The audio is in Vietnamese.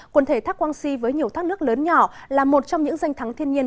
quần thể thác quang sì với nhiều thác nước lớn nhỏ là một trong những danh thắng thiên nhiên